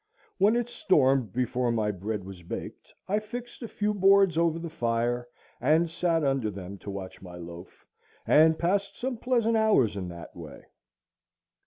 When it stormed before my bread was baked, I fixed a few boards over the fire, and sat under them to watch my loaf, and passed some pleasant hours in that way.